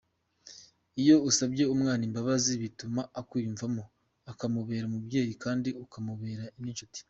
Iyo usabye umwana imbabazi bituma akwiyumvamo, ukamubera umubyeyi kandi ukamubera n’inshuti.